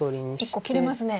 １個切れますね。